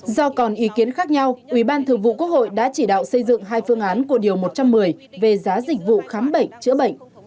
do còn ý kiến khác nhau ubthqh đã chỉ đạo xây dựng hai phương án của điều một trăm một mươi về giá dịch vụ khám bệnh chữa bệnh